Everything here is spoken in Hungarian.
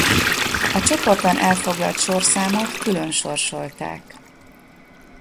A csoportban elfoglalt sorszámot külön sorsolták.